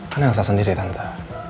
kan elsa sendiri tante